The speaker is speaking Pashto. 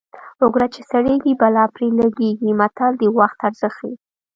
اوګره چې سړېږي بلا پرې لګېږي متل د وخت ارزښت ښيي